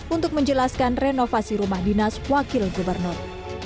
untuk menjelaskan renovasi rumah dinas wakil gubernur